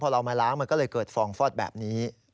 เรามาล้างมันก็เลยเกิดฟองฟอดแบบนี้